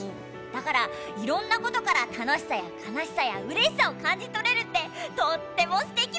だからいろんなことから楽しさやかなしさやうれしさをかんじとれるってとってもすてきメラ！